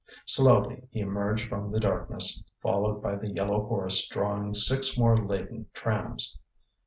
Slowly he emerged from the darkness, followed by the yellow horse drawing six more laden trams.